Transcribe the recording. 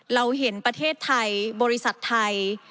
เราเห็นประเทศไทยบริษัทไทย